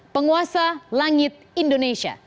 penguasa langit indonesia